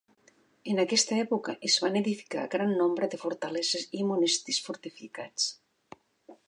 En aquesta època es van edificar gran nombre de fortaleses i monestirs fortificats.